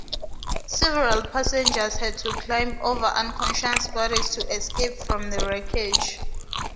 Several passengers had to climb over unconscious bodies to escape from the wreckage.